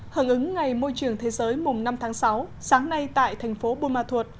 hẳn ứng ngày môi trường thế giới mùng năm tháng sáu sáng nay tại thành phố bùa mà thuột